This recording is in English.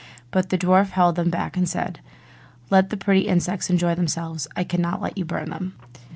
But the dwarf held them back, and said, 'Let the pretty insects enjoy themselves, I cannot let you burn them.